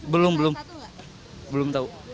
belum belum belum tahu